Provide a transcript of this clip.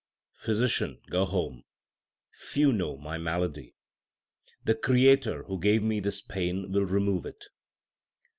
Physician, go home, few know my malady. The Creator who gave me this pain, will remove it.